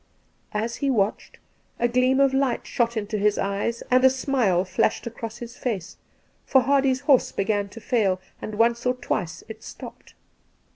As he watched, a gleam of light shot into his eyes and a smile flashed across his face, for Hardy's horse began to fail, and once or twice it stopped.